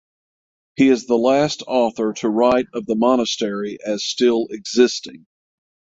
He is the last author to write of the monastery as still existing.